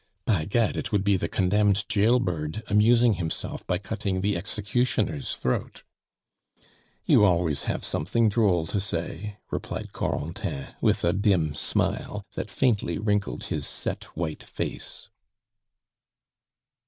"By gad! it would be the condemned jail bird amusing himself by cutting the executioner's throat." "You always have something droll to say," replied Corentin, with a dim smile, that faintly wrinkled his set white face.